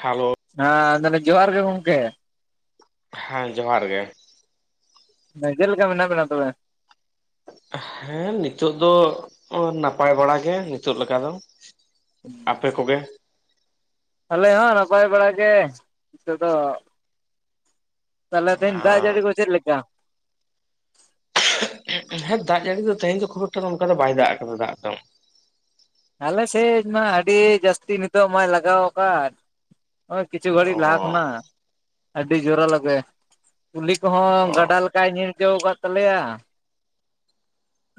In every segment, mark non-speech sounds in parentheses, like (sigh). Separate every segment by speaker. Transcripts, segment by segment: Speaker 1: Hello
Speaker 2: ᱦᱮᱸ ᱞᱟ. ᱭ ᱫᱟᱞᱤᱧᱡ ᱡᱳᱦᱟᱨ ᱜᱮ ᱦᱚᱢᱠᱮ
Speaker 1: ᱦᱮ ᱡᱚᱦᱟᱨ ᱜᱮ
Speaker 2: ᱪᱮᱫ ᱞᱮᱠᱟ ᱢᱮᱱᱟᱜ ᱵᱮᱱᱟ ᱛᱚᱵᱮ
Speaker 1: ᱦᱮᱸ ᱱᱤᱛᱚᱜ ᱫᱚ ᱱᱟᱯᱟᱭ ᱵᱟᱲᱟ ᱜᱮ ᱱᱤᱛᱚᱜ ᱞᱮᱠᱟ ᱫᱚ ᱟᱯᱮ ᱠᱚᱜᱮ
Speaker 2: ᱟᱞᱮ ᱦᱚᱸ ᱱᱟᱯᱟᱭ ᱵᱟᱲᱟ ᱜᱮ ᱱᱤᱛᱚᱜ ᱫᱚ᱾ ᱛᱟᱦᱞᱮ ᱫᱤᱱ ᱫᱟᱜ ᱡᱟᱹᱲᱤ ᱠᱚ ᱪᱮᱫ ᱞᱮᱠᱟ?
Speaker 1: ᱦᱮᱸ ᱫᱟᱜ ᱡᱟᱹᱲᱤ ᱫᱚ ᱛᱮᱦᱮᱧ ᱫᱚ ᱠᱷᱩᱵ ᱮᱠᱴᱟ ᱚᱱᱠᱟ ᱫᱚ ᱵᱟᱭ ᱫᱟᱜ ᱟᱠᱟᱫᱟ ᱫᱟᱜ ᱫᱚ᱾
Speaker 2: ᱟᱞᱮ ᱥᱮᱫ ᱢᱟ ᱟᱹᱰᱤ ᱡᱟᱹᱥᱛᱤ ᱱᱤᱛᱚᱜ ᱢᱟᱭ ᱞᱟᱜᱟᱣ ᱟᱠᱟᱫ᱾ ᱳᱭ ᱠᱤᱪᱷᱩ ᱜᱷᱟᱹᱲᱤᱡ ᱞᱟᱦᱟ
Speaker 1: ᱚ
Speaker 2: ᱠᱷᱚᱱᱟᱜ ᱟᱹᱰᱤ ᱡᱳᱨᱟᱞᱟᱛᱮ᱾ ᱠᱩᱞᱦᱤ ᱠᱚᱦᱚᱸ
Speaker 1: ᱚ
Speaker 2: ᱜᱟᱰᱟ ᱞᱮᱠᱟ ᱜᱤᱧ ᱟᱭᱠᱟᱹᱣ ᱟᱠᱟᱫ ᱛᱟᱞᱮᱭᱟ᱾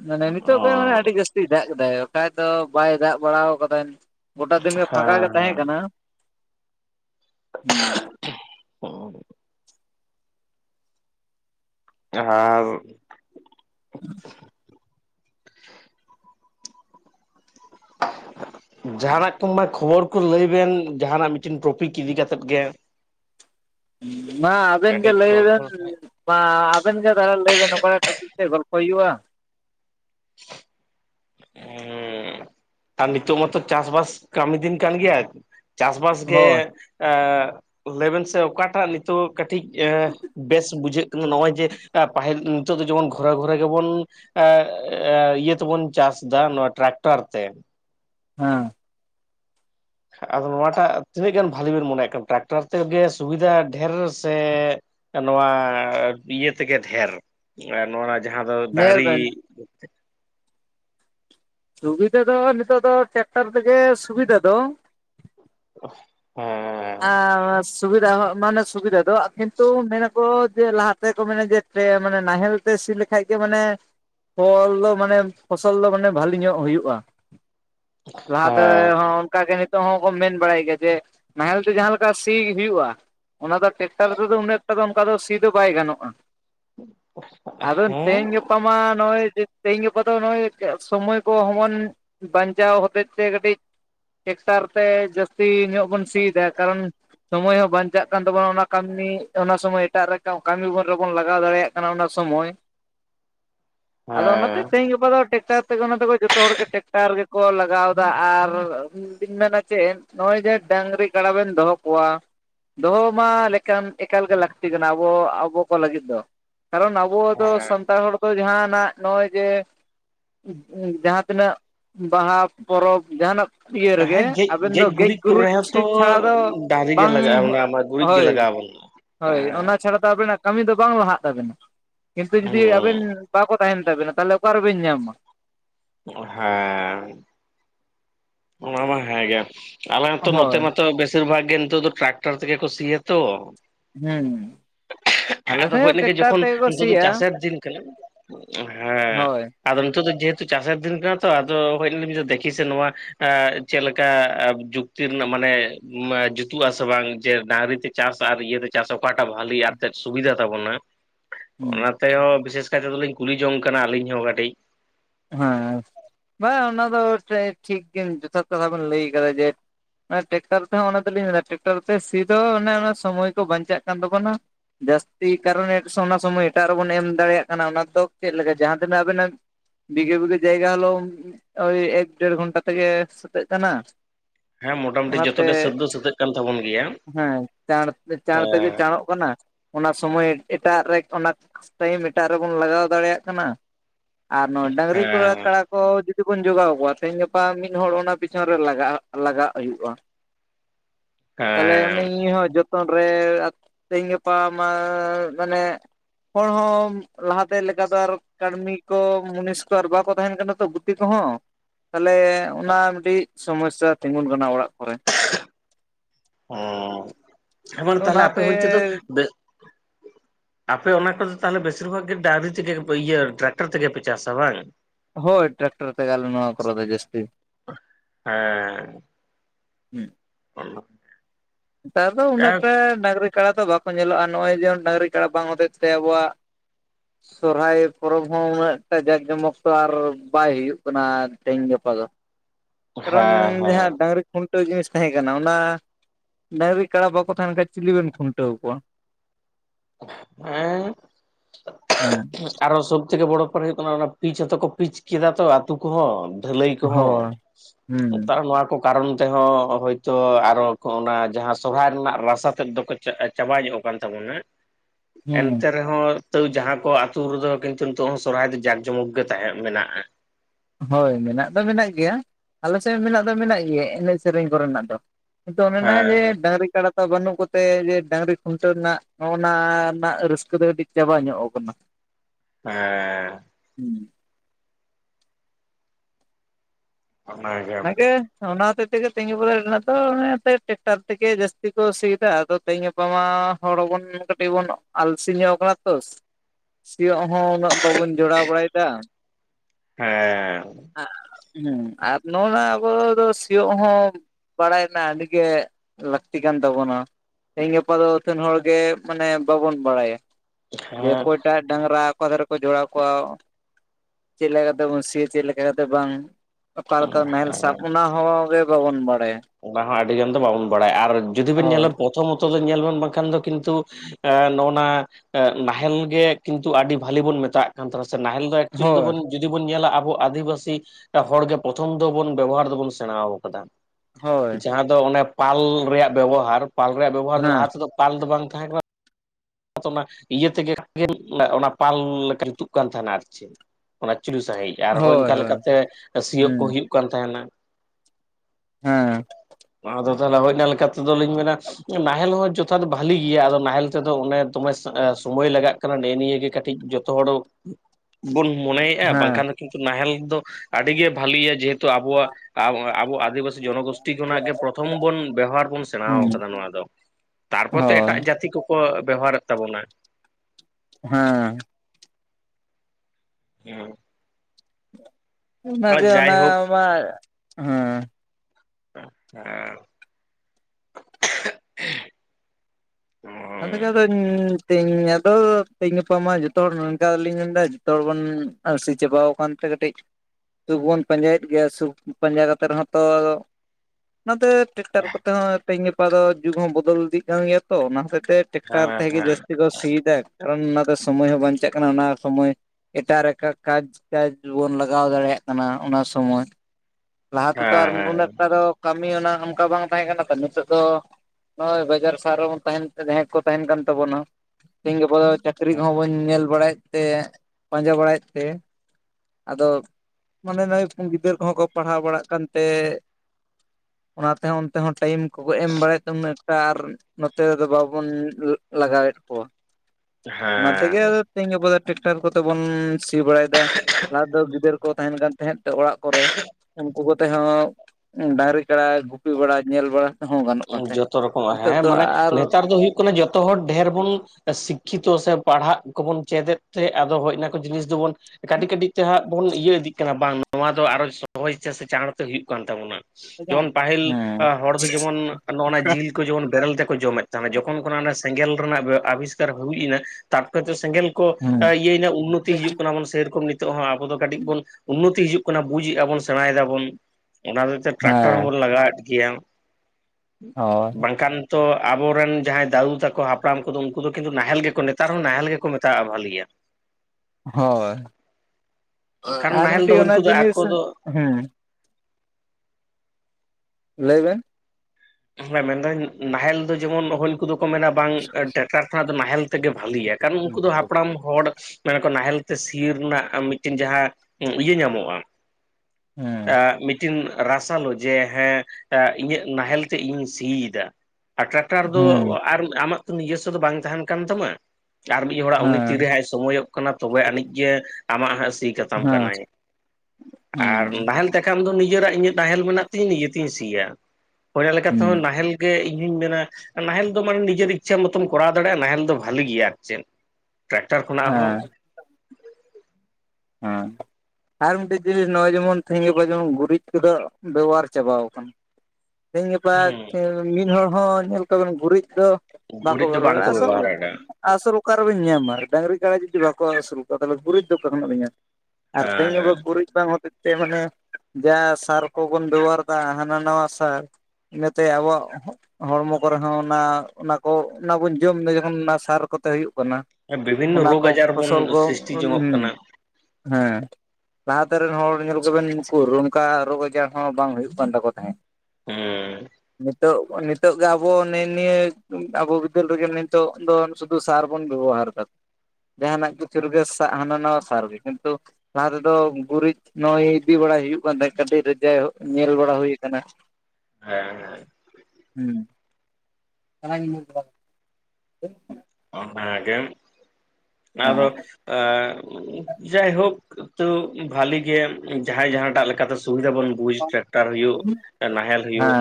Speaker 2: ᱢᱟᱱᱮ ᱱᱤᱛᱚᱜ
Speaker 1: ᱚ
Speaker 2: (unintelligible) ᱟᱹᱰᱤ ᱡᱟᱹᱥᱛᱤᱭ ᱫᱟᱜ ᱠᱮᱫᱟᱭ ᱵᱟᱠᱷᱟᱜ ᱫᱚ ᱵᱟᱭ ᱫᱟᱜ ᱵᱟᱲᱟᱣ ᱠᱟᱫᱟᱭ᱾ ᱜᱚᱴᱟ ᱫᱤᱱᱜᱤ ᱯᱷᱟᱠᱟ ᱜᱮ ᱛᱟᱦᱮᱸ
Speaker 1: ᱦᱮᱸ
Speaker 2: ᱠᱟᱱᱟ᱾ ᱦᱮᱸ,
Speaker 1: (unintelligible) ᱦᱩᱸ (unintelligible)
Speaker 2: (unintelligible)
Speaker 1: ᱡᱟᱦᱟᱱᱟᱜ ᱠᱚᱢᱟ ᱠᱷᱚᱵᱚᱨ ᱠᱚ ᱞᱟᱹᱭ ᱵᱮᱱ ᱡᱟᱦᱟᱱᱟᱜ ᱢᱤᱫᱴᱮᱱ ᱴᱚᱯᱤᱠ ᱤᱫᱤ ᱠᱟᱛᱮᱫ ᱜᱮ᱾
Speaker 2: ᱢᱟ ᱟᱵᱮᱱ ᱜᱮ
Speaker 1: ᱠᱟᱹᱴᱤᱡ
Speaker 2: ᱞᱟᱹᱭ
Speaker 1: ᱜᱚᱞᱯᱷᱚ
Speaker 2: ᱵᱮᱱ᱾
Speaker 1: ᱞᱮᱠᱷᱟᱡ
Speaker 2: ᱢᱟ ᱟᱵᱤᱱ ᱜᱮ ᱛᱟᱦᱚᱞᱮ ᱞᱟᱹᱭ ᱵᱮᱱ ᱚᱠᱟ ᱴᱚᱯᱤᱠ ᱪᱮᱫ ᱜᱚᱞᱯᱚᱭ ᱦᱚᱭᱚᱜᱼᱟ᱾
Speaker 1: ᱦᱩᱸᱻ ᱟᱨ ᱱᱤᱛᱚᱜ ᱢᱟᱛᱚ ᱪᱟᱥ ᱵᱟᱥ ᱠᱟᱹᱢᱤ ᱫᱤᱱ ᱠᱟᱱ ᱜᱮᱭᱟ᱾ ᱪᱟᱥᱵᱟᱥ ᱜᱮ
Speaker 2: ᱦᱳᱭ
Speaker 1: ᱮᱸᱻ ᱞᱟᱹᱭᱵᱮᱱ ᱥᱮ ᱚᱠᱟᱴᱟᱜ? ᱛᱩ ᱠᱟᱹᱴᱤᱡ-ᱚᱹᱻ, ᱵᱮᱥ ᱵᱩᱡᱷᱟᱹ ᱱᱚᱜᱼᱚᱭ ᱡᱮ ᱯᱟᱹᱦᱤᱞ ᱱᱤᱛᱚᱜ ᱫᱚ ᱡᱮᱢᱚᱱ ᱜᱷᱚᱨᱟ ᱜᱷᱚᱨᱟ ᱜᱮᱵᱚᱱ ᱮᱻ ᱤᱭᱟᱹ ᱛᱮᱵᱚᱱ ᱪᱟᱥ ᱮᱫᱟ ᱱᱚᱣᱟ ᱴᱨᱟᱠᱴᱚᱨ ᱛᱮ᱾
Speaker 2: ᱦᱮᱸ
Speaker 1: ᱟᱫᱚ ᱱᱚᱣᱟᱴᱟᱜ ᱛᱤᱱᱟᱹᱜ ᱜᱟᱱ ᱵᱷᱟᱹᱞᱤ ᱵᱮᱱ ᱢᱚᱱᱮᱭᱮᱫ ᱠᱟᱱ ᱴᱨᱟᱠᱴᱟᱨ ᱛᱮᱜᱮ ᱥᱩᱵᱤᱫᱟ ᱰᱷᱮᱨ ᱥᱮ, ᱱᱚᱣᱟ ᱤᱭᱟᱹ ᱛᱮᱜᱮ ᱰᱷᱮᱨ ᱱᱚᱣᱟ - ᱡᱟᱦᱟᱸ ᱫᱚ
Speaker 2: ᱧᱮᱞ
Speaker 1: ᱫᱟᱨᱤ?
Speaker 2: ᱵᱮᱱ ᱥᱩᱵᱤᱫᱟ ᱫᱚ ᱱᱤᱛᱚᱜ ᱫᱚ ᱴᱨᱟᱠᱴᱟᱨ ᱛᱮᱜᱮ ᱥᱩᱵᱤᱫᱟ ᱫᱚ᱾
Speaker 1: ᱚ,
Speaker 2: ᱟᱥ ᱥᱩᱵᱤᱫᱟ ᱢᱟᱱᱮ ᱥᱩᱵᱤᱫᱟ ᱫᱚ ᱟᱨ ᱠᱤᱱᱛᱩ ᱢᱮᱱᱟᱠᱚ ᱡᱮ ᱞᱟᱦᱟ ᱛᱮᱠᱚ ᱢᱮᱱᱟ ᱡᱮ ᱴᱮ ᱢᱟᱱᱮ ᱱᱟᱦᱮᱞ ᱛᱮ ᱥᱤ ᱞᱮᱠᱷᱟ ᱜᱮ ᱢᱟᱱᱮ ᱯᱷᱚᱞ ᱫᱚ ᱢᱟᱱᱮ ᱯᱷᱚᱥᱚᱞ ᱫᱚ ᱢᱟᱱᱮ ᱵᱷᱟᱞᱤ ᱧᱚᱜ ᱦᱩᱭᱩᱜᱼᱟ᱾ ᱞᱟᱦᱟ ᱫᱚ
Speaker 1: ᱦᱮᱸ
Speaker 2: ᱦᱚ ᱚᱱᱠᱟᱜᱮ ᱱᱤᱛᱚᱜ ᱦᱚᱸᱠᱚ ᱢᱮᱱ ᱵᱟᱲᱟᱭ ᱜᱮᱭᱟ ᱡᱮ ᱱᱟᱦᱮᱞ ᱛᱮ ᱡᱟᱦᱟᱸ ᱞᱮᱠᱟ ᱥᱤ ᱜᱤ ᱦᱩᱭᱩᱜᱼᱟ᱾ ᱚᱱᱟ ᱫᱚ ᱴᱮᱠᱴᱟᱨ ᱨᱮᱫᱚ ᱩᱱᱟᱹ ᱮᱠᱴᱟ ᱫᱚ ᱚᱱᱠᱟ ᱫᱚ ᱥᱤ ᱫᱚ ᱵᱟᱭ ᱜᱟᱱᱚᱜᱼᱟ᱾ ᱟᱫᱚ
Speaker 1: ᱦᱮᱸ
Speaker 2: ᱛᱤᱦᱤᱧ (unintelligible) ᱜᱟᱯᱟ ᱢᱟ ᱱᱚᱜᱼᱚᱭ (unintelligible) ᱛᱮᱦᱤᱧ ᱜᱟᱯᱟ ᱫᱚ ᱱᱚᱜᱼᱚᱭ ᱥᱚᱢᱚᱭ ᱠᱚ ᱦᱚᱢᱚᱱ ᱵᱟᱧᱪᱟᱣ ᱦᱚᱛᱮᱡ ᱛᱮ ᱠᱟᱹᱴᱤᱡ ᱴᱮᱠᱴᱟᱨ ᱛᱮ ᱡᱟᱹᱥᱛᱤ ᱧᱚᱜ ᱵᱚᱱ ᱥᱤᱭᱫᱟ, ᱠᱟᱨᱚᱱ ᱥᱚᱢᱚᱭ ᱦᱚᱸ ᱵᱟᱧᱪᱟᱜ ᱠᱟᱱ ᱛᱟᱵᱚᱱᱟ ᱚᱱᱟ ᱠᱟᱹᱢᱤ ᱚᱱᱟ ᱥᱚᱢᱚᱭ ᱮᱴᱟᱜ ᱨᱮ ᱠᱟᱹᱢᱤ ᱵᱚᱱ ᱨᱮᱵᱚᱱ ᱞᱟᱜᱟᱣ ᱫᱟᱲᱮᱭᱟᱜ ᱠᱟᱱᱟ ᱚᱱᱟ ᱥᱚᱢᱚᱭ ᱾ ᱟᱫᱚ ᱚᱱᱟᱛᱮ
Speaker 1: ᱦᱮᱸ
Speaker 2: ᱛᱮᱦᱤᱧ ᱜᱟᱯᱟ ᱫᱚ ᱴᱮᱠᱴᱟᱨ ᱛᱮᱜᱮ ᱚᱱᱟ ᱫᱚᱠᱚ ᱡᱚᱛᱚ ᱦᱚᱲᱜᱮ ᱴᱮᱠᱴᱟᱨ ᱜᱮ, ᱠᱚ ᱞᱟᱜᱟᱣᱫᱟ ᱟᱨ ᱤᱧ ᱢᱮᱱᱟ ᱪᱮᱫ ᱱᱚᱜᱼᱚᱭ ᱡᱮ ᱰᱟᱹᱝᱨᱤ ᱠᱟᱲᱟ ᱵᱮᱱ ᱫᱚᱦᱚ ᱠᱚᱣᱟ, ᱫᱚᱦᱚ ᱢᱟ ᱞᱮᱠᱟᱱ ᱮᱠᱟᱞᱜᱮ ᱞᱟᱹᱠᱛᱤ ᱠᱟᱱᱟ ᱟᱵᱚ ᱟᱵᱚ ᱠᱚ ᱞᱟᱹᱜᱤᱫ ᱫᱚ, ᱠᱟᱨᱚᱱ ᱟᱵᱚ ᱟᱹᱵᱚ ᱫᱚ
Speaker 1: ᱦᱮᱸ
Speaker 2: ᱥᱟᱱᱛᱟᱲ ᱦᱚᱲ ᱫᱚ ᱡᱟᱦᱟᱱᱟᱜ ᱱᱚᱜᱼᱚᱭ ᱡᱮ ᱡᱟᱦᱟᱸ ᱛᱤᱱᱟᱹᱜ ᱵᱟᱦᱟ ᱯᱚᱨᱚᱵᱽ ᱡᱟᱦᱟᱸᱱᱟᱜ ᱤᱭᱟᱹ ᱨᱮᱜᱮ,
Speaker 1: ᱦᱮᱸ ᱜᱮᱡ
Speaker 2: ᱟᱵᱮᱱ ᱫᱚ ᱜᱮᱡ
Speaker 1: ᱜᱩᱨᱤᱡ ᱠᱚᱨᱮ
Speaker 2: ᱜᱩᱨᱩᱡ
Speaker 1: ᱦᱚᱸ ᱛᱚ
Speaker 2: ᱴᱷᱤᱠ ᱪᱷᱟᱲᱟ ᱫᱚ
Speaker 1: ᱰᱟᱝᱨᱤ ᱜᱮ
Speaker 2: ᱵᱟᱝ
Speaker 1: ᱞᱟᱜᱟᱜᱼᱟ ᱚᱱᱟ ᱢᱟ ᱜᱩᱨᱤᱡ ᱜᱮ
Speaker 2: ᱦᱳᱭ᱾
Speaker 1: ᱞᱟᱜᱟᱣ ᱵᱚᱱᱟ
Speaker 2: ᱦᱳᱭ ᱚᱱᱟ ᱪᱷᱟᱲᱟ ᱫᱚ ᱟᱵᱮᱱᱟᱜ ᱠᱟᱹᱢᱤ ᱫᱚ ᱵᱟᱝ ᱞᱟᱦᱟᱜ ᱛᱟᱵᱮᱱᱟ, ᱠᱤᱱᱛᱩ
Speaker 1: ᱦᱮᱸ
Speaker 2: ᱡᱩᱫᱤ ᱟᱵᱮᱱ ᱵᱟᱠᱚ ᱛᱟᱦᱮᱱ ᱛᱟᱵᱤᱱᱟ ᱛᱟᱦᱞᱮ ᱚᱠᱟ ᱨᱮᱵᱮᱱ ᱧᱟᱢᱟ?
Speaker 1: ᱚ ᱦᱮᱸ᱾ ᱚᱱᱟ ᱢᱟ ᱦᱮᱸ ᱜᱮ, ᱟᱞᱮ ᱦᱚᱛᱚ ᱱᱚᱛᱮ
Speaker 2: ᱦᱳᱭ
Speaker 1: ᱢᱟᱛᱚ ᱵᱮᱥ ᱥᱤᱨ ᱵᱷᱟᱜ ᱜᱮ ᱱᱤᱛᱚᱜ ᱫᱚ ᱴᱨᱟᱠᱴᱚᱨ ᱛᱮᱜᱮ ᱠᱚ ᱥᱤᱭᱟ ᱛᱚ᱾
Speaker 2: ᱦᱩᱸ᱾ ᱟᱞᱮ
Speaker 1: ᱟᱫᱚ
Speaker 2: ᱥᱮᱫ
Speaker 1: ᱦᱳᱭ
Speaker 2: ᱦᱚᱸ
Speaker 1: ᱚᱱᱟ ᱜᱮ
Speaker 2: ᱴᱮᱠᱴᱟᱨ
Speaker 1: ᱡᱚᱠᱷᱚᱱ
Speaker 2: ᱛᱮᱜᱮ ᱠᱚ
Speaker 1: ᱱᱤᱛᱚᱜ ᱫᱚ
Speaker 2: ᱥᱤᱭᱟ
Speaker 1: ᱪᱟᱥᱮᱨ ᱫᱤᱱ ᱠᱟᱱᱟ, ᱦᱮᱸ᱾
Speaker 2: ᱦᱳᱭ
Speaker 1: ᱟᱫᱚ ᱱᱤᱛᱳᱜ ᱫᱚ ᱡᱮᱦᱮᱛᱩ ᱪᱟᱥᱮᱨ ᱫᱤᱱ ᱠᱟᱱᱟ ᱛᱚ ᱟᱫᱚ (unintelligible) ᱫᱮᱠᱷᱤ ᱥᱮ ᱱᱚᱣᱟ ᱮᱸ ᱪᱮᱫ ᱞᱮᱠᱟ ᱡᱩᱠᱛᱤ ᱨᱤᱱᱟᱜ ᱢᱟᱱᱮ ᱢᱟ ᱡᱩᱛᱩᱜᱼᱟ ᱥᱮ ᱵᱟᱝ ᱡᱮ ᱰᱟᱝᱨᱤ ᱛᱮ ᱪᱟᱥ ᱟᱨ ᱤᱭᱟᱹ ᱛᱮ ᱪᱟᱥ ᱚᱠᱟᱴᱟᱜ ᱵᱷᱟᱹᱞᱤᱭᱟ, ᱟᱨ ᱪᱮᱫ ᱥᱩᱵᱤᱫᱷᱟ ᱛᱟᱵᱚᱱᱟ?
Speaker 2: ᱦᱩᱸ
Speaker 1: ᱚᱱᱟ ᱛᱮᱦᱚᱸ ᱵᱤᱥᱮᱥ ᱠᱟᱭᱛᱮ ᱫᱩᱞᱤᱧ ᱠᱩᱞᱤ ᱡᱚᱝ ᱠᱟᱱᱟ ᱟᱹᱞᱤᱧ ᱦᱚᱸ ᱠᱟᱹᱴᱤᱡ
Speaker 2: ᱦᱮᱸ, ᱵᱟᱸ ᱚᱱᱟ ᱫᱚ ᱴᱟ ᱴᱷᱤᱠ ᱜᱮᱢ ᱡᱚᱛᱷᱟᱛ ᱠᱟᱛᱷᱟ ᱵᱮᱱ ᱞᱟᱹᱭ ᱠᱟᱫᱟ ᱡᱮ ᱚᱱᱟ ᱴᱮᱠᱴᱟᱨ ᱛᱮᱦᱚᱸ ᱚᱱᱟ ᱫᱚᱞᱤᱧ ᱞᱟᱹᱭᱫᱟ ᱴᱮᱠᱴᱟᱨ ᱛᱮ ᱥᱤ ᱫᱚ ᱚᱱᱮ ᱚᱱᱟ ᱥᱚᱢᱚᱭ ᱠᱟ ᱵᱟᱧᱪᱟᱜ ᱠᱟᱱ ᱛᱟᱵᱚᱱᱟ᱾ ᱡᱟᱹᱥᱛᱤ ᱠᱟᱨᱚᱱ ᱮᱸᱫ ᱥᱚᱱᱟ ᱥᱚᱢᱚᱭ ᱮᱴᱟᱜ ᱨᱮᱵᱚᱱ ᱮᱢ ᱫᱟᱲᱮᱭᱟᱜ ᱠᱟᱱᱟ ᱚᱱᱟ ᱛᱚ ᱪᱮᱜ ᱞᱮᱠᱟ ᱡᱟᱦᱟᱸ ᱛᱤᱱᱟᱹᱜ ᱟᱸᱵᱮᱱᱟᱜ ᱵᱤᱜᱟᱹ ᱵᱤᱜᱟᱹ ᱡᱟᱭᱜᱟ ᱦᱳᱞᱳ ᱳᱭ ᱮᱠ ᱰᱮᱲ ᱜᱷᱚᱱᱴᱟ ᱛᱮᱜᱮ ᱥᱟᱹᱛᱟᱹᱜ ᱠᱟᱱᱟ᱾
Speaker 1: ᱦᱮᱸ ᱢᱚᱴᱟᱢᱩᱴᱤ
Speaker 2: ᱚᱱᱟᱛᱮ
Speaker 1: ᱡᱚᱛᱚ ᱜᱮ ᱥᱟᱹᱛ ᱫᱚ ᱥᱟᱹᱛᱟᱹᱜ ᱠᱟᱱ ᱛᱟᱵᱚᱱ ᱜᱮᱭᱟ
Speaker 2: ᱦᱮᱸ ᱪᱟᱸᱬ ᱪᱟᱸᱬ ᱛᱮᱜᱮ ᱪᱟᱸᱬᱚᱜ ᱠᱟᱱᱟ᱾ ᱚᱱᱟ ᱥᱳᱢᱚᱭ ᱮᱴᱟᱜ ᱨᱮ ᱚᱱᱟ ᱴᱟᱭᱤᱢ ᱮᱴᱟᱜ ᱨᱮᱵᱚᱱ ᱞᱟᱜᱟᱣ ᱫᱟᱲᱮᱭᱟᱜ ᱠᱟᱱᱟ᱾ ᱱᱚᱜ-ᱚᱭ ᱰᱟᱝᱨᱤ ᱠᱚ
Speaker 1: ᱦᱮᱸ
Speaker 2: ᱠᱟᱲᱟ ᱠᱚ ᱡᱩᱫᱤ ᱵᱚᱱ ᱡᱚᱜᱟᱣ ᱠᱚᱣᱟ ᱛᱮᱦᱮᱧ ᱜᱟᱯᱟ ᱢᱤᱫ ᱦᱚᱲ ᱚᱱᱟ ᱯᱤᱪᱷᱚᱱ ᱨᱮ ᱞᱟᱜᱟᱜ ᱞᱟᱜᱟᱜ ᱦᱩᱭᱩᱜᱼᱟ᱾ ᱛᱟᱞᱦᱮ ᱚᱱᱮ
Speaker 1: ᱦᱮᱸ
Speaker 2: ᱤᱧ ᱦᱚᱸ ᱡᱚ ᱛᱚᱱ ᱨᱮ ᱟ ᱛᱮᱦᱤᱧ ᱜᱟᱯᱟ ᱢᱟ ᱢᱟᱱᱮ ᱦᱚᱲ ᱦᱚᱸ ᱞᱟᱦᱟᱛᱮ ᱞᱮᱠᱟ ᱫᱚ ᱟᱨ ᱠᱟᱹᱲᱢᱤ ᱠᱚ ᱢᱩᱱᱤᱥ ᱠᱚ ᱟᱨ ᱵᱟᱠᱚ ᱛᱟᱦᱮᱱ ᱠᱟᱱᱟ ᱛᱚ ᱜᱩᱛᱤ ᱠᱚᱦᱚᱸ ᱛᱟᱦᱞᱮ ᱚᱱᱟ ᱢᱤᱫᱴᱤᱡ ᱥᱚᱢᱚᱥᱥᱟ ᱛᱤᱜᱩᱱ ᱠᱟᱱᱟ ᱚᱲᱟᱜ ᱠᱚᱨᱮ᱾
Speaker 1: ᱦᱩᱸ ᱦᱮᱵᱚᱱ
Speaker 2: ᱛᱚ
Speaker 1: ᱛᱟᱦᱞᱮ ᱟᱯᱮ
Speaker 2: ᱚᱱᱟᱛᱮ
Speaker 1: ᱦᱳᱭ ᱚᱱᱛᱮ ᱫᱚ ᱵᱮ
Speaker 2: (unintelligible)
Speaker 1: ᱟᱯᱮ ᱚᱱᱟ ᱠᱚᱨᱮ ᱫᱚ ᱛᱟᱦᱞᱮ ᱵᱮᱥᱤᱨ ᱵᱷᱟᱜ ᱜᱮ ᱰᱟᱝᱨᱤ ᱛᱮᱜᱮ ᱯᱮ ᱤᱭᱟᱹ ᱴᱨᱟᱠᱴᱟᱨ ᱛᱮᱜᱮ ᱯᱮ ᱪᱟᱥᱟ ᱵᱟᱝ?
Speaker 2: ᱦᱳᱭ ᱴᱨᱮᱠᱴᱟᱨ ᱛᱮᱜᱮ ᱟᱞᱮ ᱱᱚᱣᱟ ᱠᱚᱨᱮ ᱫᱚ ᱡᱟᱹᱥᱛᱤ᱾
Speaker 1: ᱦᱮᱸ᱾
Speaker 2: ᱦᱩᱸ, ᱱᱮᱛᱟᱨ ᱫᱚ
Speaker 1: ᱡᱟᱭᱦᱳᱠ
Speaker 2: ᱩᱱᱟᱹᱜᱴᱟ ᱰᱟᱹᱝᱨᱤ ᱠᱟᱲᱟ ᱫᱚ ᱵᱟᱠᱚ ᱧᱮᱞᱚᱜᱼᱟ ᱱᱚᱜᱼᱚᱭ ᱡᱮᱢᱚᱱ ᱰᱟᱹᱝᱨᱤ ᱠᱟᱸᱲᱟ ᱵᱟᱝ ᱦᱚᱛᱮᱡ ᱛᱮ ᱟᱵᱚᱣᱟᱜ ᱥᱚᱨᱦᱟᱭ ᱯᱚᱨᱚᱵᱽ ᱦᱚᱸ ᱩᱱᱟᱹᱜᱴᱟ ᱡᱟᱠ ᱡᱚᱢᱚᱠ ᱛᱚ ᱟᱨ ᱵᱟᱭ ᱦᱩᱭᱩᱜ ᱠᱟᱱᱟ ᱛᱮᱦᱤᱧ ᱜᱟᱯᱟ ᱫᱚ᱾ ᱠᱟᱨᱚᱱ
Speaker 1: ᱦᱮᱸ
Speaker 2: ᱡᱟᱦᱟᱸ
Speaker 1: ᱦᱮᱸ
Speaker 2: ᱰᱟᱹᱝᱨᱤ ᱠᱷᱩᱱᱴᱟᱹᱣ ᱡᱤᱱᱤᱥ ᱛᱟᱦᱮᱸ ᱠᱟᱱᱟ ᱚᱱᱟ ᱰᱟᱹᱝᱨᱤ ᱠᱟᱲᱟ ᱵᱟᱠᱚ ᱛᱟᱦᱮᱱ ᱠᱷᱟᱡ ᱪᱤᱞᱤ ᱵᱮᱱ ᱠᱷᱩᱱᱴᱟᱹᱣ ᱠᱚᱣᱟ?
Speaker 1: ᱮᱸ ᱟᱨᱚ ᱥᱚᱵ ᱛᱷᱮᱠᱮ ᱵᱚᱲᱚ ᱯᱟᱨ ᱦᱩᱭᱩᱜ ᱠᱟᱱᱟ ᱚᱱᱟ ᱯᱤᱪ ᱦᱚᱸᱛᱚ ᱠᱚ ᱯᱤᱪ ᱠᱤᱫᱟ ᱛᱚ ᱟᱹᱛᱩ ᱠᱚᱦᱚᱸ᱾ ᱰᱷᱟᱹᱞᱟᱹᱭ ᱠᱚᱦᱚᱸ,
Speaker 2: ᱦᱳᱭ ᱦᱩᱸ
Speaker 1: ᱱᱮᱛᱟᱨ ᱱᱚᱣᱟ ᱠᱚ ᱠᱟᱨᱚᱱ ᱛᱮᱦᱚᱸ ᱦᱳᱭᱛᱚ ᱟᱨᱚ ᱠᱚ ᱚᱱᱟ ᱡᱟᱦᱟᱸ ᱥᱚᱨᱦᱟᱭ ᱨᱮᱱᱟᱜ ᱨᱟᱥᱟ ᱛᱮᱫ ᱫᱚ ᱠᱚ ᱪᱟᱜ ᱪᱟᱵᱟ ᱧᱚᱜ ᱠᱟᱱ ᱛᱟᱵᱚᱱᱟ,
Speaker 2: ᱦᱩᱸ
Speaker 1: ᱮᱱᱛᱮ ᱨᱮᱦ ᱦᱚᱸ ᱛᱟᱹᱣ ᱡᱟᱦᱟᱸ ᱠᱚ ᱟᱹᱛᱩ ᱨᱮᱫᱚ ᱠᱤᱱᱛᱩ ᱱᱤᱛᱚᱜ ᱦᱚᱸ ᱥᱚᱨᱦᱟᱭ ᱫᱚ ᱡᱟᱸᱠ ᱡᱚᱢᱚᱠ ᱜᱮ ᱛᱟᱦᱮᱸ ᱢᱮᱱᱟᱜᱼᱟ᱾
Speaker 2: ᱦᱳᱭ ᱢᱮᱱᱟᱜ ᱫᱚ ᱢᱮᱱᱟᱜ ᱜᱮᱭᱟ ᱟᱞᱮ ᱥᱮᱱ ᱦᱚᱸ ᱢᱤᱱᱟᱜ ᱫᱚ ᱢᱤᱱᱟᱜ ᱜᱤᱭᱟ ᱮᱱᱮᱡ ᱥᱮᱨᱮᱧ ᱠᱚᱨᱮᱱᱟᱜ ᱫᱚ᱾ ᱦᱮᱛᱳ ᱢᱮᱱᱟᱭ
Speaker 1: ᱦᱮᱸ
Speaker 2: ᱡᱮ ᱰᱟᱹᱝᱨᱤ ᱠᱟᱲᱟ ᱟ ᱵᱟᱹᱱᱩᱜ ᱠᱚᱛᱮ ᱡᱮ ᱰᱟᱹᱝᱨᱤ ᱠᱷᱩᱱᱴᱟᱹᱣ ᱨᱮᱱᱟᱜ ᱱᱚᱜᱼᱚ ᱱᱟ ᱨᱮᱱᱟᱜ ᱨᱟᱹᱥᱠᱟᱹ ᱫᱚ ᱠᱟᱹᱴᱤᱡ ᱪᱟᱵᱟ ᱧᱚᱜ ᱠᱟᱱᱟ᱾ (unintelligible)
Speaker 1: ᱦᱮᱸᱻ
Speaker 2: (unintelligible)
Speaker 1: ᱟᱱᱟ ᱜᱮ,
Speaker 2: ᱚᱱᱟ ᱜᱮ ᱚᱱᱟ ᱦᱚᱛᱮᱡ ᱛᱮ ᱜᱮ ᱛᱤᱸᱜᱩ ᱵᱚᱨᱟᱭ ᱨᱮᱱᱟᱜ ᱫᱚ ᱮᱱᱛᱮ ᱴᱮᱠᱴᱟᱨ ᱛᱮ ᱜᱮ ᱡᱟᱹᱥᱛᱤ ᱠᱚᱥᱤᱮᱫᱟ ᱟᱫᱚ ᱛᱮᱦᱮᱧ ᱜᱟᱯᱟ ᱢᱟ ᱦᱚᱲ ᱦᱚᱵᱚᱱ ᱠᱟᱹᱴᱤᱡ ᱵᱚᱱ ᱟᱞᱥᱤ ᱧᱚᱜ ᱠᱟᱱᱟ ᱛᱚ ᱾ ᱥᱤᱭᱚᱜ ᱦᱚᱸ ᱩᱱᱟᱹᱜ ᱵᱟᱵᱚᱱ ᱡᱚᱲᱟᱣ ᱵᱟᱲᱟᱭᱮᱫᱟ ᱾
Speaker 1: ᱦᱮᱸ,
Speaker 2: ᱦᱩ ᱟᱨ ᱱᱚᱜ-ᱚᱭ ᱱᱚᱣᱟ ᱟᱵᱚ ᱫᱚ ᱥᱤᱭᱳᱜ ᱦᱚᱸ ᱵᱟᱲᱟᱭ ᱨᱮᱱᱟᱜ ᱟᱹᱰᱤ ᱞᱟᱹᱠᱛᱤ ᱠᱟᱱᱟ ᱛᱟᱵᱚᱱᱟ ᱛᱮᱦᱮᱧ ᱜᱟᱯᱟ ᱫᱚ ᱟᱛᱮᱱ ᱦᱚᱲ ᱜᱮ ᱢᱟᱱᱮ ᱵᱟᱵᱚᱱ ᱵᱟᱲᱟᱭᱟ, ᱡᱮ
Speaker 1: ᱦᱮᱸ
Speaker 2: ᱚᱠᱚᱭᱴᱟᱜ ᱰᱟᱝᱨᱟ ᱚᱠᱟ ᱫᱷᱟᱨᱮ ᱠᱚ ᱡᱚᱲᱟᱣ ᱠᱚᱣᱟ ᱪᱮᱫ ᱞᱮᱠᱟ ᱛᱮ ᱥᱤᱭᱟ ᱪᱮᱫ ᱞᱮᱠᱟ ᱠᱟᱛᱮ ᱵᱟᱝ ᱚᱠᱟ ᱞᱮᱠᱟ ᱱᱟᱦᱮᱞ ᱥᱟᱵ? ᱚᱱᱟ ᱦᱚᱸ ᱜᱮ ᱵᱟᱵᱚᱱ ᱵᱟᱲᱟᱭᱟ᱾
Speaker 1: ᱚᱱᱟ ᱦᱚᱸ ᱟᱹᱰᱤᱜᱟᱱ ᱫᱚ ᱵᱟᱲᱟᱭᱟ ᱟᱨ ᱡᱩᱫᱤ ᱵᱮᱱ
Speaker 2: ᱦᱳᱭ
Speaker 1: ᱧᱮᱞᱟ ᱯᱨᱚᱛᱷᱚᱢᱚᱛᱚ ᱫᱚ ᱧᱮᱞ ᱵᱮᱱ ᱵᱟᱝ ᱠᱷᱟᱱ ᱫᱚ ᱠᱤᱱᱛᱩ ᱱᱚᱜ-ᱱᱟ ᱱᱟᱦᱮᱞ ᱜᱮ ᱠᱤᱱᱛᱩ ᱟᱹᱰᱤ ᱵᱟᱹᱞᱤ ᱵᱚᱱ ᱢᱮᱛᱟᱜ ᱠᱟᱱ ᱛᱟᱦᱮᱱᱟ ᱥᱮ ᱱᱟᱦᱮᱞ ᱮᱠᱪᱩᱭ ᱫᱚ
Speaker 2: ᱦᱳᱭ
Speaker 1: ᱵᱚᱱ ᱡᱩᱫᱤ ᱵᱚᱱ ᱧᱮᱞᱟ ᱟᱵᱚ ᱟᱹᱫᱤᱵᱟᱹᱥᱤ ᱦᱚᱲ ᱜᱮ ᱯᱨᱚᱛᱷᱚᱢ ᱫᱚᱵᱚᱱ ᱵᱮᱵᱚᱦᱟᱨ ᱫᱚ ᱵᱚᱱ ᱥᱮᱬᱟᱣ ᱠᱟᱫᱟ᱾
Speaker 2: (unintelligible)
Speaker 1: ᱡᱟᱦᱟᱸ ᱫᱚ ᱚᱱᱮ ᱯᱟᱞ ᱨᱮᱭᱟᱜ ᱵᱮᱵᱚᱦᱟᱨ, ᱯᱟᱞ ᱨᱮᱭᱟᱜ ᱵᱮᱵᱚᱦᱟᱨ ᱫᱚ
Speaker 2: ᱦᱮᱸ
Speaker 1: ᱞᱟᱦᱟ ᱛᱮ ᱫᱚ ᱯᱟᱞ ᱫᱚ ᱵᱟᱝ ᱛᱟᱦᱮᱸ ᱠᱟᱱᱟ ᱚᱱᱟ ᱤᱭᱟᱹ ᱛᱮ ᱜᱮ ᱚᱱᱟ ᱯᱟᱞ ᱞᱮᱠᱟ ᱨᱤᱛᱩᱫ ᱠᱟᱱ ᱛᱟᱦᱮᱱᱟ ᱟᱨ ᱪᱮᱫ ᱚᱱᱟ ᱪᱩᱨᱩ ᱥᱟᱺᱦᱤᱡ ᱟᱨ ᱦᱚᱸ
Speaker 2: ᱦᱳᱭ
Speaker 1: ᱤᱝᱠᱟ ᱞᱮᱠᱟ
Speaker 2: ᱦᱳᱭ
Speaker 1: ᱛᱮ ᱥᱤᱭᱳᱜ ᱠᱚ
Speaker 2: ᱦᱩᱸ
Speaker 1: ᱦᱩᱭᱩᱜ ᱠᱟᱱ ᱛᱟᱦᱮᱱᱟ ᱾
Speaker 2: ᱦᱮᱸ
Speaker 1: ᱱᱚᱣᱟ ᱫᱚ, ᱛᱟᱦᱮ ᱦᱳᱭ ᱚᱱᱟ ᱞᱮᱠᱟ ᱛᱮᱫᱚ ᱞᱤᱧ ᱢᱮᱱᱟ ᱱᱟᱦᱮᱞ ᱦᱚᱸ ᱡᱚᱛᱷᱟᱛ ᱵᱟᱹᱞᱤ ᱜᱮᱭᱟ ᱟᱫᱚ ᱱᱟᱦᱮᱞ ᱛᱮ ᱫᱚ ᱚᱱᱮ ᱫᱚᱢᱮ ᱥᱚᱢᱚᱭ ᱞᱟᱜᱟᱜ ᱠᱟᱱᱟ ᱱᱮᱜ-ᱮ ᱱᱤᱭᱟᱹ ᱜᱮ ᱠᱟᱹᱴᱤᱡ ᱡᱚᱛᱚ ᱦᱚᱲ ᱵᱚᱱ ᱢᱚᱱᱮᱭᱮᱫ-ᱟ, ᱵᱟᱝ
Speaker 2: ᱦᱮᱸ
Speaker 1: ᱠᱷᱟᱱ ᱫᱚ ᱠᱤᱱᱛᱩ ᱱᱟᱦᱮᱞ ᱫᱚ ᱟᱹᱰᱤ ᱜᱮ ᱵᱷᱟᱹᱞᱤᱭᱟ ᱡᱮᱦᱮᱛᱩ ᱟᱵᱚᱣᱟᱜ ᱟᱵᱚ ᱟᱹᱫᱤᱵᱟᱹᱥᱤ ᱡᱚᱱᱚᱜᱳᱥᱴᱤ ᱠᱷᱚᱱᱟᱜ ᱜᱮ ᱯᱨᱚᱛᱷᱚᱢ ᱵᱚᱱ ᱵᱮᱣᱦᱟᱨ ᱵᱚᱱ ᱥᱮᱬᱟᱣ
Speaker 2: ᱦᱩᱸ
Speaker 1: ᱠᱟᱫᱟ ᱱᱚᱣᱟ ᱫᱚ ᱾ ᱛᱟᱨᱯᱚᱛᱮ
Speaker 2: ᱦᱳᱭ
Speaker 1: ᱮᱴᱟᱜ ᱡᱟᱹᱛᱤ ᱠᱚ ᱠᱚ ᱵᱮᱣᱦᱟᱨᱮᱫ ᱛᱟᱵᱚᱱᱟ᱾
Speaker 2: ᱦᱮᱸᱻ
Speaker 1: ᱦᱮᱸ,
Speaker 2: ᱚᱱᱟ ᱜᱮ ᱚᱱᱟ
Speaker 1: ᱡᱟᱭᱦᱳᱠ
Speaker 2: ᱢᱟ ᱦᱮᱸᱻ
Speaker 1: (unintelligible)
Speaker 2: ᱚᱱᱟ ᱛᱮ
Speaker 1: ᱦᱮᱸ
Speaker 2: ᱫᱚ ᱛᱮᱦᱤᱧ ᱟᱫᱚ ᱛᱮᱦᱤᱧ ᱜᱟᱯᱟ ᱢᱟ ᱡᱚᱛᱚ ᱦᱚᱲ ᱱᱚᱝᱠᱟ ᱫᱚ ᱞᱤᱧ ᱢᱮᱱᱫᱟ ᱡᱚᱛᱚ ᱦᱚᱲ ᱵᱚᱱ ᱥᱤ ᱪᱟᱵᱟᱣ ᱟᱠᱟᱱ ᱛᱮ ᱠᱟᱹᱴᱤᱡ ᱥᱩᱠ ᱵᱚᱱ ᱯᱟᱸᱡᱟᱭᱮᱫ ᱜᱮᱭᱟ ᱥᱩᱠ ᱯᱟᱸᱡᱟ ᱠᱟ ᱠᱟᱛᱮᱫ ᱨᱮ ᱦᱚᱸ ᱛᱚ ᱚᱱᱟ ᱛᱮ ᱴᱮᱠᱴᱟᱨ ᱠᱚ ᱛᱮ ᱦᱚᱸ ᱛᱮᱦᱮᱧ ᱜᱟᱯᱟ ᱫᱚ ᱡᱩᱜᱽ ᱦᱚᱸ ᱵᱚᱫᱚᱞ ᱤᱫᱤ ᱠᱟᱱ ᱜᱮᱭᱟ ᱛᱚ ᱚᱱᱟ ᱦᱚᱛᱮᱡ ᱛᱮ
Speaker 1: ᱦᱮᱸ
Speaker 2: ᱴᱮᱠᱴᱟᱨ ᱛᱮ ᱜᱮ
Speaker 1: ᱦᱮᱸ
Speaker 2: ᱡᱟᱹᱥᱛᱤ ᱠᱚ ᱥᱤᱭᱮᱫᱟ ᱠᱟᱨᱚᱱ ᱚᱱᱟ ᱛᱮ ᱥᱚᱢᱳᱭ ᱦᱚᱸ ᱵᱟᱸᱧᱪᱟᱜ ᱠᱟᱱᱟ ᱚᱱᱟ ᱥᱚᱢᱚᱭ ᱮᱴᱟᱜ ᱞᱮᱠᱟ ᱠᱟᱡᱽ ᱠᱟᱡᱽ ᱵᱚᱱ ᱞᱟᱜᱟᱣ ᱫᱟᱲᱮᱭᱟᱜ ᱠᱟᱱᱟ ᱚᱱᱟ ᱥᱚᱢᱚᱭ ᱾ ᱞᱟᱦᱟ ᱛᱮ ᱫᱚ ᱟᱨ ᱩᱱᱟᱹᱜ
Speaker 1: ᱦᱮᱸ
Speaker 2: ᱮᱠᱴᱟ ᱫᱚ ᱠᱟᱹᱢᱤ ᱚᱱᱠᱟ ᱵᱟᱝ ᱛᱟᱦᱮᱸ ᱠᱟᱱᱟ ᱛᱚ ᱱᱤᱛᱳᱜ ᱫᱚ ᱱᱚᱜ-ᱚᱭ ᱵᱟᱡᱟᱨ ᱥᱟᱨ ᱨᱮ ᱵᱚᱱ ᱛᱟᱦᱮᱱ ᱡᱟᱦᱟᱸ ᱠᱚ ᱛᱟᱦᱮᱱ ᱠᱟᱱ ᱛᱟᱵᱚᱱᱟ ᱛᱮᱦᱤᱧ ᱜᱟᱯᱟ ᱫᱚ ᱪᱟᱹᱠᱨᱤ ᱠᱚ ᱦᱚᱸ ᱵᱚᱱ ᱧᱮᱞ ᱵᱟᱲᱟᱭᱮᱫ ᱛᱮ ᱯᱟᱸᱡᱟ ᱵᱟᱲᱟᱭᱮᱫ ᱛᱮ ᱟᱫᱚ ᱢᱟᱱᱮ ᱱᱚᱜ-ᱚᱭ ᱜᱤᱫᱟᱹᱨ ᱠᱚ ᱦᱚᱸ ᱠᱚ ᱯᱟᱲᱦᱟᱣ ᱵᱟᱲᱟᱜ ᱠᱟᱱᱛᱮ ᱚᱱᱟ ᱛᱮ ᱦᱚᱸ ᱚᱱᱛᱮ ᱦᱚᱸ ᱴᱟᱭᱤᱢ ᱠᱚ ᱠᱚ ᱮᱢ ᱵᱟᱲᱟᱭᱮᱫ ᱟᱨ ᱱᱚᱛᱮ ᱨᱮ ᱫᱚ ᱵᱟᱵᱚᱱ ᱞᱟᱜᱟᱣ ᱮᱫ ᱠᱚᱣᱟ ᱾
Speaker 1: ᱦᱮᱸᱻ,
Speaker 2: ᱛᱮ ᱜᱮ ᱛᱮᱦᱤᱧ ᱜᱟᱯᱟ ᱴᱮᱠᱴᱟᱨ ᱠᱚᱛᱮ ᱵᱚᱱ ᱥᱤ ᱵᱟᱲᱟᱭᱮᱫᱟ ᱞᱟᱦᱟ ᱫᱚ ᱜᱤᱫᱟᱹᱨ ᱠᱚ ᱛᱟᱦᱮᱱ ᱠᱟᱱ ᱛᱟᱦᱮᱸᱫ ᱛᱮ ᱚᱲᱟᱜ ᱠᱚᱨᱮ ᱩᱱᱠᱩ ᱠᱚ ᱛᱮ ᱦᱚᱸ ᱰᱟᱝᱨᱤ ᱠᱟᱲᱟ ᱜᱩᱯᱤ ᱵᱟᱲᱟ ᱧᱮᱞ ᱵᱟᱲᱟ ᱾
Speaker 1: ᱡᱚᱛᱚ ᱨᱚᱠᱚᱢᱟᱜ ᱦᱮᱸ ᱢᱟᱱᱮ
Speaker 2: ᱟᱨ
Speaker 1: ᱱᱮᱛᱟᱨ ᱫᱚ ᱦᱩᱭᱩᱜ ᱠᱟᱱᱟ ᱡᱚᱛᱚ ᱦᱚᱲ ᱰᱷᱮᱨ ᱵᱚᱱ ᱥᱤᱠᱷᱤᱛᱚ ᱥᱮ ᱯᱟᱲᱦᱟᱜ ᱠᱚᱵᱚᱱ ᱪᱮᱫ ᱮᱫ ᱛᱮ ᱟᱫᱚ ᱦᱟᱜ-ᱚᱭ ᱚᱱᱟ ᱠᱚ ᱡᱤᱱᱤᱥ ᱫᱚᱵᱚᱱ ᱠᱟᱹᱴᱤᱡ ᱠᱟᱹᱴᱤᱡ ᱛᱮ ᱦᱟᱸᱜ ᱵᱚᱱ ᱤᱭᱟᱹ ᱤᱫᱤᱜ ᱠᱟᱱᱟ ᱵᱟᱝ ᱱᱚᱣᱟ ᱫᱚ ᱚᱨᱦᱚ ᱥᱚᱦᱚᱡ ᱛᱮ ᱥᱮ ᱪᱟᱬ ᱛᱮ ᱦᱩᱭᱩᱜ ᱠᱟᱱ ᱛᱟᱵᱚᱱᱟ᱾
Speaker 2: ᱦᱮᱸ
Speaker 1: ᱡᱮᱢᱚᱱ ᱯᱟᱹᱦᱤᱞ ᱦᱚᱲ ᱫᱚ ᱡᱮᱢᱚᱱ ᱱᱚᱜ-ᱱᱚᱭᱟ ᱡᱤᱞ ᱠᱚ ᱡᱮᱢᱚᱱ ᱵᱮᱨᱮᱞ ᱛᱮᱠᱚ ᱡᱚᱢᱮᱫ ᱛᱟᱦᱮᱱᱟ ᱡᱚᱠᱷᱚᱱ ᱠᱷᱚᱱᱟᱜ ᱚᱱᱟ ᱥᱮᱸᱜᱮᱞ ᱨᱮᱱᱟᱜ ᱟᱵᱤᱥᱠᱟᱨ ᱦᱩᱭ ᱮᱱᱟ ᱛᱟᱨᱯᱚᱨᱮ ᱛᱚ ᱥᱮᱸᱜᱮᱞ ᱠᱚ
Speaker 2: ᱦᱮᱸ
Speaker 1: ᱤᱭᱟᱹᱭᱮᱱᱟ ᱩᱱᱱᱚᱛᱤ ᱦᱤᱡᱩᱜ ᱠᱟᱱᱟ ᱵᱚᱱ ᱥᱮᱨᱚᱠᱚᱢ ᱱᱤᱛᱚᱜ ᱦᱚᱸ ᱟᱵᱚ ᱫᱚ ᱠᱟᱹᱴᱤᱡ ᱵᱚᱱ ᱩᱱᱱᱚ ᱛᱤ ᱦᱤᱡᱩᱜ ᱠᱟᱱᱟ ᱵᱩᱡᱮᱜᱼᱟ ᱵᱚᱱ ᱥᱮᱬᱟᱭ ᱫᱟᱵᱚᱱ ᱚᱱᱟ ᱦᱚᱛᱮᱡ ᱛᱮ ᱴᱨᱟᱠᱴᱟᱨ
Speaker 2: ᱦᱮᱸ
Speaker 1: ᱦᱚᱸᱵᱚᱱ ᱞᱟᱜᱟᱭᱮᱫ ᱜᱮᱭᱟ᱾
Speaker 2: ᱦᱳᱭ
Speaker 1: ᱵᱟᱝ ᱠᱷᱟᱱ ᱛᱚ ᱟᱵᱚᱨᱮᱱ ᱡᱟᱦᱟᱸᱭ ᱫᱟᱹᱫᱩ ᱛᱟᱠᱚ ᱦᱟᱯᱲᱟᱢ ᱠᱚᱫᱚ ᱩᱱᱠᱩ ᱫᱚ ᱠᱤᱱᱛᱩ ᱱᱟᱦᱮᱞ ᱜᱮᱠᱚ ᱱᱮᱛᱟᱨ ᱦᱚᱸ ᱱᱟᱦᱮᱞ ᱜᱮᱠᱚ ᱢᱮᱛᱟᱜᱼᱟ ᱵᱷᱟᱹᱞᱮ ᱜᱮᱭᱟ᱾
Speaker 2: ᱦᱳᱭ
Speaker 1: ᱠᱟᱨᱚᱱ
Speaker 2: ᱟᱨ
Speaker 1: ᱱᱟᱦᱮᱞ ᱫᱚ
Speaker 2: ᱢᱤᱫᱴᱤᱡ ᱚᱱᱟ
Speaker 1: ᱩᱱᱠᱩ ᱫᱚ
Speaker 2: ᱡᱤᱱᱤᱥ
Speaker 1: ᱟᱠᱚ ᱫᱚ
Speaker 2: ᱦᱩᱸ ᱞᱟᱹᱭ ᱵᱮᱱ,
Speaker 1: ᱦᱮᱸ ᱢᱮᱱᱫᱟᱹᱧ ᱱᱟᱦᱮᱞ ᱫᱚ ᱡᱮᱢᱚᱱ ᱦᱳᱡ ᱩᱱᱠᱩ ᱫᱚᱠᱚ ᱢᱮᱱᱟ ᱵᱟᱝ ᱴᱨᱟᱠᱴᱟᱨ ᱠᱷᱚᱱᱟᱜ ᱫᱚ ᱱᱟᱦᱮᱞ ᱛᱮᱜᱮ ᱵᱷᱟᱞᱤᱭᱟ ᱾ ᱠᱟᱨᱚᱱ
Speaker 2: ᱦᱮᱸ
Speaker 1: ᱩᱱᱠᱩ ᱫᱚ ᱦᱟᱯᱲᱟᱢ ᱦᱚᱲ᱾ ᱢᱮᱱᱟ ᱠᱚ ᱱᱟᱦᱮᱞ ᱛᱮ ᱥᱤ ᱨᱮᱱᱟᱜ ᱢᱤᱫᱴᱮᱱ ᱡᱟᱦᱟᱸ ᱤᱭᱟᱹ ᱧᱟᱢᱚᱜᱼᱟ,
Speaker 2: ᱦᱮᱸ
Speaker 1: ᱢᱤᱫᱴᱤᱱ ᱨᱟᱥᱟᱞᱳ ᱡᱮ ᱦᱮᱸ ᱤᱧᱟᱹᱜ ᱱᱟᱦᱮᱞ ᱤᱧ ᱥᱤᱭᱫᱟ ᱟᱨ ᱴᱨᱟᱠᱴᱟᱨ ᱫᱚ
Speaker 2: ᱦᱮᱸ
Speaker 1: ᱟᱨ ᱟᱢᱟᱜ ᱛᱚ ᱱᱤᱡᱚᱥᱥᱚ ᱫᱚ ᱵᱟᱝ ᱛᱟᱦᱮᱱ ᱠᱟᱱ ᱛᱟᱢᱟ᱾ ᱟᱨ ᱢᱤᱫ ᱦᱚᱲᱟᱜ ᱩᱱᱤ
Speaker 2: ᱦᱮᱸ ᱦᱮᱸ
Speaker 1: ᱛᱤᱨᱮ ᱦᱟᱸᱜ ᱮ ᱥᱚᱢᱚᱭᱚᱜ ᱠᱟᱱᱟ, ᱛᱚᱵᱮ ᱟᱹᱱᱤᱡ ᱜᱮ ᱟᱢᱟᱜ ᱦᱟᱸᱜ ᱥᱤ ᱠᱟᱛᱟᱢ ᱠᱟᱱᱟᱭ, ᱟᱨ ᱱᱟᱦᱮᱞ- ᱛᱮ ᱠᱷᱟᱱ ᱫᱚ ᱱᱤᱡᱮ ᱨᱟᱜ ᱤᱧᱟᱹᱜ ᱱᱟᱦᱮᱞ ᱢᱮᱱᱟᱜ ᱛᱤᱧᱟᱹ ᱱᱤᱡᱮ ᱛᱮᱧ ᱥᱤᱭᱟ᱾ ᱚᱱᱟ ᱞᱮᱠᱟ
Speaker 2: ᱦᱮᱸ
Speaker 1: ᱛᱮᱦᱚᱸ
Speaker 2: ᱦᱮᱸ
Speaker 1: ᱱᱟᱦᱮᱞ ᱜᱮ ᱤᱧ ᱦᱚᱧ ᱢᱮᱱᱟ, ᱱᱟᱦᱮᱞ ᱫᱚ ᱢᱟᱱᱮ ᱱᱤᱡᱮᱨ ᱤᱪᱪᱷᱟᱹ ᱢᱚᱛᱚᱢ ᱠᱚᱨᱟᱣ ᱫᱟᱲᱮᱭᱟᱜᱼᱟ, ᱱᱟᱦᱮᱞ ᱫᱚ ᱵᱷᱟᱞᱮ ᱜᱮᱭᱟ ᱟᱨ ᱪᱮᱫ ᱴᱨᱟᱠᱴᱟᱨ ᱠᱷᱚᱱᱟᱜ ᱦᱚᱸ
Speaker 2: ᱦᱮᱸ ᱦᱮᱸ, ᱟᱨ ᱢᱤᱫᱴᱮᱡ ᱡᱤᱱᱤᱥ ᱱᱚᱜᱚᱭ ᱡᱮᱢᱚᱱ ᱛᱤᱦᱤᱧ ᱜᱟᱯᱟ ᱡᱮᱢᱚᱱ ᱜᱩᱨᱤᱡᱽ ᱠᱚ ᱫᱚ ᱵᱮᱵᱚᱦᱟᱨ ᱪᱟᱵᱟᱣ ᱠᱟᱱᱟ᱾ ᱛᱮᱦᱮᱧ ᱜᱟᱯᱟ
Speaker 1: ᱦᱩᱸ
Speaker 2: ᱢᱤᱫ ᱦᱚᱲ ᱦᱚᱸ ᱧᱮᱞ ᱠᱚᱵᱮᱱ ᱜᱩᱨᱤᱡᱽ ᱫᱚ, ᱵᱟᱠᱚ
Speaker 1: ᱜᱩᱨᱤᱡ ᱫᱚ
Speaker 2: ᱵᱮᱵᱚᱦᱟᱨ ᱵᱟᱲᱟᱭᱟ
Speaker 1: ᱵᱟᱝᱠᱚ
Speaker 2: ᱟᱥᱚᱞ
Speaker 1: ᱵᱮᱵᱚᱦᱟᱨᱮᱫᱟ
Speaker 2: ᱟᱥᱚᱞ ᱚᱠᱟ ᱨᱮᱵᱮᱱ ᱧᱟᱢᱟ ᱰᱟᱝᱨᱤ ᱠᱟᱲᱟ ᱡᱩᱫᱤ ᱵᱟᱠᱚ ᱟᱹᱥᱩᱞ ᱠᱚᱣᱟ ᱛᱟᱦᱚᱞᱮ ᱜᱩᱨᱤᱡᱽ ᱫᱚ ᱚᱠᱟ ᱠᱷᱚᱱᱟᱜ ᱵᱮᱱ ᱧᱟᱢᱟ? ᱟᱨ ᱛᱮᱦᱮᱧ ᱜᱟᱯᱟ ᱜᱩᱨᱤᱡᱽ ᱵᱟᱝ ᱦᱚᱛᱮᱡ ᱛᱮ ᱢᱟᱱᱮ ᱡᱟ ᱥᱟᱨ ᱠᱚᱵᱚᱱ ᱵᱮᱵᱦᱟᱨ ᱫᱟ ᱦᱟᱱᱟ ᱱᱟᱣᱟ ᱥᱟᱨ ᱾ ᱤᱱᱟᱹᱛᱮ ᱟᱵᱚᱣᱟᱜ ᱦᱚᱲᱢᱚ ᱠᱚᱨᱮ ᱦᱚᱸ ᱚᱱᱟ ᱚᱱᱟ ᱠᱚ ᱚᱱᱟ ᱵᱚᱱ ᱡᱚᱢ ᱮᱫᱟ ᱡᱚᱠᱷᱚᱱ ᱚᱱᱟ ᱥᱟᱨ ᱠᱚᱛᱮ ᱦᱩᱭᱩᱜ ᱠᱟᱱᱟ᱾
Speaker 1: ᱦᱮᱸ ᱵᱤᱵᱷᱤᱱᱱᱚ
Speaker 2: ᱚᱱᱟ
Speaker 1: ᱨᱳᱜᱽ
Speaker 2: ᱠᱚ
Speaker 1: ᱟᱡᱟᱨ ᱵᱚᱱ
Speaker 2: ᱯᱷᱚᱥᱚᱞ ᱠᱚ
Speaker 1: ᱥᱨᱤᱥᱴᱤ ᱡᱚᱝᱚᱜ
Speaker 2: ᱦᱩᱹᱢ
Speaker 1: ᱠᱟᱱᱟ
Speaker 2: ᱦᱮᱸ᱾ ᱞᱟᱦᱟ ᱛᱮ ᱨᱮᱱ ᱦᱚᱲ ᱧᱮᱞ ᱠᱚᱵᱮᱱ ᱩᱱᱠᱩ ᱚᱱᱠᱟ ᱨᱳᱜᱽ ᱟᱡᱟᱨ ᱦᱚᱸ ᱵᱟᱝ ᱦᱩᱭᱩᱜ ᱠᱟᱱ ᱛᱟᱠᱚ ᱛᱟᱦᱮᱸᱫ᱾
Speaker 1: ᱦᱩᱸ
Speaker 2: ᱱᱤᱛᱳᱜ ᱱᱤᱛ ᱱᱤᱛᱚᱜ ᱜᱮ ᱟᱵᱚ ᱱᱮᱜᱼᱮ ᱱᱤᱭᱟᱹ ᱟᱵᱚ ᱵᱤᱫᱟᱹᱞ ᱨᱮᱜᱮ ᱱᱤᱛᱚᱜ ᱫᱚ ᱥᱩᱫᱷᱩ ᱥᱟᱨ ᱵᱚᱱ ᱵᱮᱵᱚᱦᱟᱨ ᱫᱟ᱾ ᱡᱟᱦᱟᱱᱟᱜ ᱠᱤᱪᱪᱷᱩ ᱨᱮᱜᱮ ᱥᱟᱨ ᱦᱟᱱᱟ ᱱᱟᱣᱟ ᱥᱟᱨ ᱜᱮ ᱠᱤᱱᱛᱩ ᱞᱟᱦᱟ ᱛᱮᱫᱚ ᱜᱩᱨᱤᱡᱽ ᱱᱚᱜᱚᱭ ᱤᱫᱤ ᱵᱟᱲᱟᱭ ᱦᱩᱭᱩᱜ ᱠᱟᱱ ᱛᱟᱦᱮᱸ ᱠᱟᱹᱴᱤᱡ ᱡᱟᱭᱦᱳᱠ ᱧᱮᱞ ᱵᱟᱲᱟ ᱦᱩᱭ ᱟᱠᱟᱱᱟ᱾
Speaker 1: ᱦᱮᱸ ᱦᱮᱸ,
Speaker 2: ᱦᱮᱸ, (unintelligible)
Speaker 1: ᱚᱱᱟᱜᱮ ᱟᱫᱚ ᱡᱟᱭᱦᱳᱠ ᱛᱟᱹᱣᱚ ᱵᱷᱟᱞᱮ ᱜᱮ ᱡᱟᱦᱟᱸᱭ ᱡᱟᱦᱟᱸᱴᱟᱜ ᱞᱮᱠᱟᱛᱮ ᱥᱩᱵᱤᱫᱟ ᱵᱚᱱ ᱵᱩᱡᱽ ᱴᱟᱠᱚᱴᱟᱨ ᱦᱩᱭᱩᱜ ᱱᱟᱦᱮᱞ ᱦᱩᱭᱩᱜ,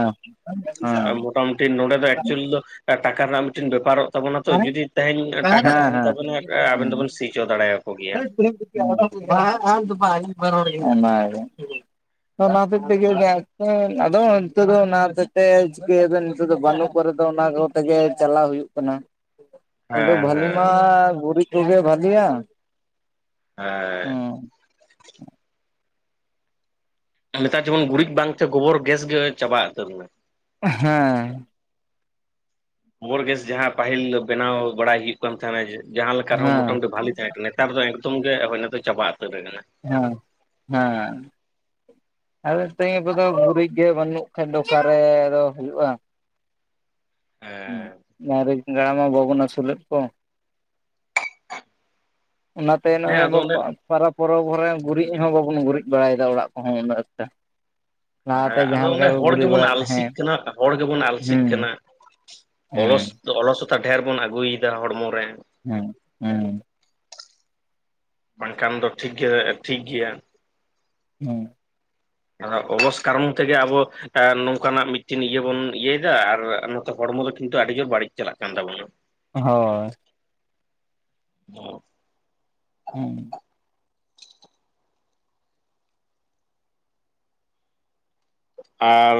Speaker 2: ᱦᱮᱸ
Speaker 1: ᱢᱚᱴᱟᱢᱩᱴᱤ ᱱᱚᱰᱮ ᱫᱚ ᱮᱠᱪᱩᱭᱮᱞᱤ ᱫᱚ ᱴᱟᱠᱟ ᱨᱮᱱᱟᱜ ᱢᱤᱫᱴᱮᱱ ᱵᱮᱯᱟᱨᱚᱜ ᱛᱟᱵᱚᱱᱟ ᱛᱚ ᱡᱩᱫᱤ, ᱛᱮᱦᱮᱧ ᱴᱟᱠᱟ ᱛᱟᱦᱮᱱ
Speaker 2: ᱦᱮᱸ
Speaker 1: ᱛᱟᱵᱮᱱᱟ ᱟᱵᱮᱱ ᱫᱚᱵᱮᱱ ᱥᱤ ᱪᱚ ᱫᱟᱲᱮᱭᱟᱠᱚ ᱜᱮᱭᱟ᱾
Speaker 2: ᱚᱱᱟᱜᱮ, ᱚᱱᱟ ᱦᱚᱛᱮᱡ ᱛᱮᱜᱮ ᱟᱫᱚ ᱱᱤᱛᱚᱜ ᱫᱚ ᱚᱱᱟ ᱦᱚᱛᱮᱡ ᱛᱮ ᱪᱤᱠᱟᱹᱭᱟᱵᱮᱱ ᱱᱤᱛᱚᱜ ᱫᱚ ᱵᱟᱹᱱᱩᱜ ᱠᱚᱨᱮ ᱫᱚ, ᱚᱱᱟ ᱠᱚ ᱛᱮᱜᱮ ᱪᱟᱞᱟᱣ ᱦᱩᱭᱩᱜ ᱠᱟᱱᱟ᱾ ᱠᱤᱱᱛᱩ
Speaker 1: ᱦᱮᱸ
Speaker 2: ᱵᱷᱟᱹᱞᱤ ᱢᱟ
Speaker 1: ᱦᱮᱸ
Speaker 2: ᱜᱩᱨᱤᱡᱽ ᱠᱚᱜᱮ ᱵᱷᱟᱞᱤᱭᱟ᱾
Speaker 1: ᱦᱮᱸᱻ ᱱᱮᱛᱟᱨ ᱡᱮᱢᱚᱱ ᱜᱩᱨᱤᱡᱽ ᱵᱟᱝ ᱛᱮ ᱜᱚᱵᱚᱨ ᱜᱮᱥ ᱜᱮ ᱪᱟᱵᱟ ᱩᱛᱟᱹᱨ ᱱᱟ᱾
Speaker 2: ᱦᱮᱸ᱾
Speaker 1: ᱜᱳᱵᱳᱨ ᱜᱮᱥ ᱡᱟᱦᱟᱸ ᱯᱟᱹᱦᱤᱞ ᱵᱮᱱᱟᱣ ᱵᱟᱲᱟᱭ ᱦᱩᱭᱩᱜ ᱠᱟᱱ ᱛᱟᱦᱮᱱᱟ ᱡᱮ ᱡᱟᱦᱟᱸ ᱞᱮᱠᱟ ᱨᱮᱦᱚᱸ ᱢᱚᱴᱟ ᱢᱩᱴᱤ
Speaker 2: ᱦᱮᱸ
Speaker 1: ᱵᱷᱟᱞᱤ ᱛᱟᱦᱮᱸ ᱠᱟᱱᱟ, ᱱᱮᱛᱟᱨ ᱫᱚ ᱮᱠᱫᱚᱢ ᱜᱮ (unintelligible) ᱪᱟᱵᱟ ᱩᱛᱟᱹᱨ ᱟᱠᱟᱱᱟ᱾
Speaker 2: ᱦᱮᱸ, ᱦᱮᱸ᱾ ᱟᱫᱚ ᱛᱮᱦᱮᱧ ᱜᱟᱯᱟ ᱫᱚ ᱜᱩᱨᱤᱡ ᱜᱮ ᱵᱟᱹᱱᱩᱜ ᱠᱷᱟᱡ ᱫᱚ ᱚᱠᱟ ᱨᱮᱫᱚ ᱦᱩᱭᱩᱜᱼᱟ?
Speaker 1: ᱦᱮᱸ
Speaker 2: ᱦᱩᱸ, ᱟᱨ (unintelligible) ᱢᱟ ᱵᱟᱵᱚᱱ ᱟᱥᱩᱞᱮᱫ ᱠᱚ᱾ ᱚᱱᱟᱛᱮ
Speaker 1: ᱦᱮᱸ
Speaker 2: ᱱᱚᱜᱚᱭ
Speaker 1: ᱟᱫᱚ
Speaker 2: ᱟᱵᱚ
Speaker 1: ᱚᱱᱮ
Speaker 2: ᱯᱟᱨᱟᱵᱽ ᱯᱚᱨᱚᱵ ᱠᱚᱨᱮ ᱜᱩᱨᱤᱡ ᱦᱚᱸ ᱵᱟᱵᱚᱱ ᱜᱩᱨᱤᱡ ᱵᱟᱲᱟᱭᱮᱫᱟ ᱚᱲᱟᱜ ᱠᱚᱦᱚᱸ ᱩᱱᱟᱹᱜ ᱴᱟ᱾
Speaker 1: ᱦᱮᱸ
Speaker 2: ᱞᱟᱦᱟᱛᱮ
Speaker 1: ᱟᱫᱚ
Speaker 2: ᱡᱟᱦᱟᱸ ᱞᱮᱠᱟ
Speaker 1: ᱚᱸᱰᱮ
Speaker 2: ᱠᱚ
Speaker 1: ᱦᱚᱲ
Speaker 2: ᱜᱩᱨᱤᱡ
Speaker 1: ᱜᱮᱵᱚᱱ
Speaker 2: ᱵᱟᱲᱟᱭᱮᱫ ᱛᱮᱸᱦᱮ
Speaker 1: ᱟᱞᱥᱤᱜ ᱠᱟᱱᱟ ᱦᱚᱲ ᱜᱮᱵᱚᱱ
Speaker 2: ᱦᱩᱸ᱾ ᱦᱩᱸ᱾
Speaker 1: ᱛᱚ ᱚᱞᱚ ᱥᱚᱛᱟ ᱰᱷᱮᱨ ᱵᱚᱱ ᱟᱹᱜᱩᱭᱮᱫᱟ ᱦᱚᱲᱢᱚ ᱨᱮ᱾
Speaker 2: ᱦᱩᱸ, ᱦᱩᱸ᱾
Speaker 1: ᱵᱟᱝ ᱠᱷᱟᱱ ᱫᱚ ᱴᱷᱤᱠ ᱜᱮ ᱴᱷᱤᱠ ᱜᱮᱭᱟ᱾
Speaker 2: ᱦᱩᱸ᱾
Speaker 1: ᱚᱵᱚᱥ ᱠᱟᱨᱚᱱ ᱛᱮᱜᱮ ᱟᱵᱚ ᱱᱚᱝᱠᱟᱱᱟᱜ ᱢᱤᱫᱴᱮᱱ ᱤᱭᱟᱹ ᱵᱚᱱ ᱤᱭᱟᱹᱭᱮᱫᱟ ᱟᱨ ᱱᱚᱛᱮ ᱦᱚᱲᱢᱚ ᱫᱚ ᱠᱤᱱᱛᱩ ᱟᱹᱰᱤ ᱡᱳᱨ ᱵᱟᱹᱲᱤᱡ ᱪᱟᱞᱟᱜ ᱠᱟᱱ ᱛᱟᱵᱚᱱᱟ᱾
Speaker 2: ᱦᱳᱭ᱾ ᱦᱩᱸ᱾
Speaker 1: ᱟᱨ